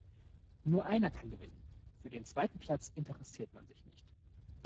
Nur einer kann gewinnen. Für den zweiten Platz interessiert man sich nicht.